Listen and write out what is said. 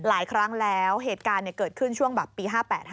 หลายครั้งแล้วเหตุการณ์เกิดขึ้นช่วงแบบปี๕๘๕